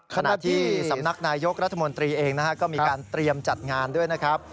ขณะที่สำนักนายยกรัฐมนตรีเองก็มีการเตรียมจัดงานด้วยนะครับ